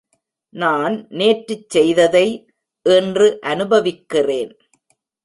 நான் நேற்றுச்செய்ததை இன்று அனுபவிக்கிறேன்.